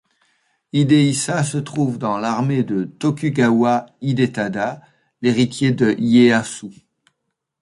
Hidehisa se trouve dans l'armée de Tokugawa Hidetada, l'héritier de Ieyasu.